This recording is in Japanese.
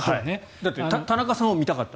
だって田中さんを見たかった。